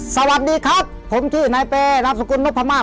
สวัสดีครับผมคีย์นายแปรรับสกุลนพมต์ครับ